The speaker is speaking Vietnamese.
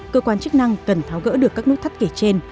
cơ quan chức năng cần tháo gỡ được các nút thắt kể trên